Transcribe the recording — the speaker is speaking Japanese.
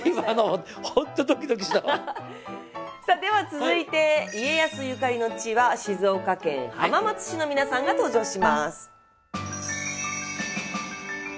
さあでは続いて家康ゆかりの地は静岡県浜松市の皆さんが登場します。